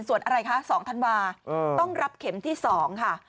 ส่วนอะไรคะ๒ธันวาต้องรับเข็มที่๒ค่ะ